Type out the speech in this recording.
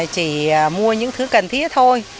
chỉ mua những thứ cần thiết thôi